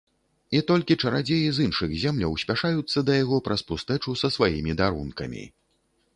І толькі чарадзеі з іншых земляў спяшаюцца да яго праз пустэчу са сваімі дарункамі.